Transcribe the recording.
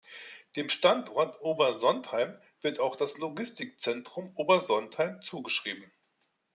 Dem Standort Obersontheim wird auch das Logistikzentrum Obersontheim zugeschrieben.